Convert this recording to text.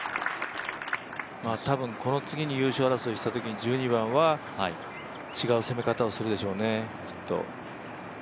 多分この次に優勝争いしたときに１２番は違う攻め方をするでしょうね、きっと。